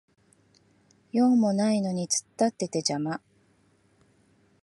用もないのに突っ立ってて邪魔